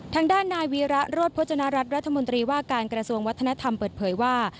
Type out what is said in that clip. ทางด้านนายวีระโรธพจนรัฐรัฐรัฐมนตรีว่าการกระทรวงวัฒนธรรมเปิดเผยว่า